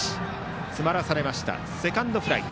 詰まらされましたセカンドフライ。